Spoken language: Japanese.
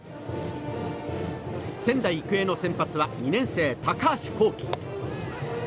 仙台育英の先発は２年生、高橋煌稀。